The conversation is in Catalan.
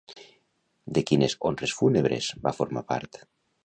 De quines honres fúnebres va formar part?